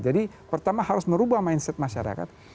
jadi pertama harus merubah mindset masyarakat